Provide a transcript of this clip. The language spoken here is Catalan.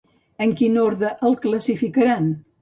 En quin orde el classificaran?